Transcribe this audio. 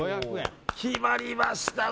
決まりました。